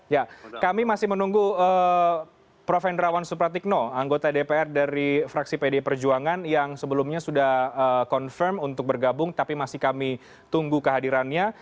ya kami masih menunggu prof hendrawan supratikno anggota dpr dari fraksi pd perjuangan yang sebelumnya sudah confirm untuk bergabung tapi masih kami tunggu kehadirannya